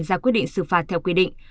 ra quyết định xử phạt theo quy định